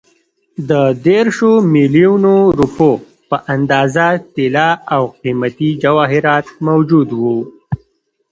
د دېرشو میلیونو روپیو په اندازه طلا او قیمتي جواهرات موجود وو.